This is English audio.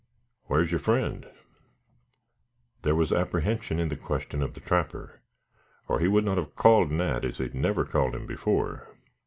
"Where's your friend?" There was apprehension in the question of the trapper, or he would not have called Nat, as he had never called him before.